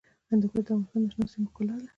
هندوکش د افغانستان د شنو سیمو ښکلا ده.